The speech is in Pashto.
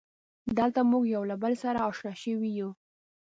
دلته مونږ یو له بله سره اشنا شوي یو.